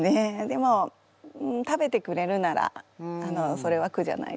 でも食べてくれるならそれは苦じゃないです。